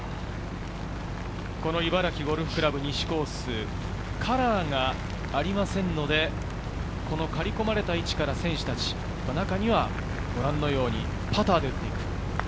茨城ゴルフ倶楽部西コース、カラーがありませんので、刈り込まれた位置から選手たち、中にはご覧のようにパターで打っていく。